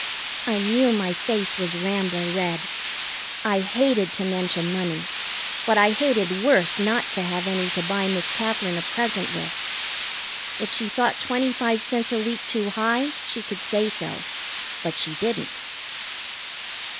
I knew my face was rambler red. I hated to mention money, but I hated worse not to have any to buy Miss Katherine a present with. If she thought twenty five cents a week too high she could say so. But she didn't.